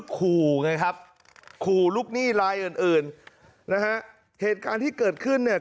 คูลูกหนี้รายอื่นนะฮะเหตุการณ์ที่เกิดขึ้นเนี่ย